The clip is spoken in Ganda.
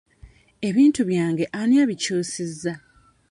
Ebintu byange ani abikyusizza?